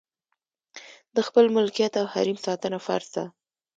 د خپل ملکیت او حریم ساتنه فرض ده.